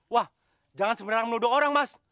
wah jangan semerang menuduh orang mas